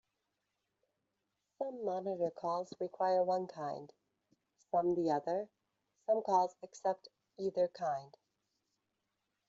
Some monitor calls require one kind, some the other; some calls accept either kind.